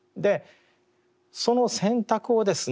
その選択をですね